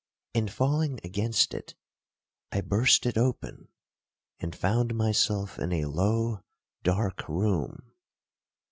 In falling against it, I burst it open, and found myself in a low dark room.